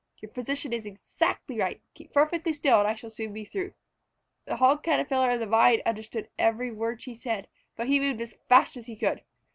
"Your position is exactly right. Keep perfectly still and I shall soon be through." The Hog Caterpillar of the Vine understood every word she said, but he moved as fast as he could.